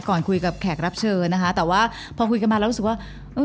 ก่อนคุยกับแขกรับเชิญนะคะแต่ว่าพอคุยกันมาแล้วรู้สึกว่าเออ